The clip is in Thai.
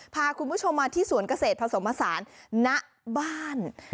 พาคุณผู้ชมมาที่สวนเกษตรผสมผสานณบ้าน